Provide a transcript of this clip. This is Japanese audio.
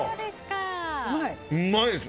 うまいです。